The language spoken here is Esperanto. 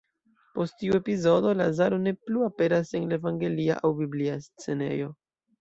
Post tiu epizodo, Lazaro ne plu aperas en la evangelia aŭ biblia scenejo.